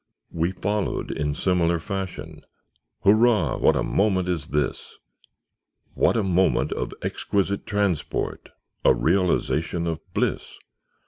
We followed, in similar fashion; Hurrah, what a moment is this! What a moment of exquisite transport! A realization of bliss!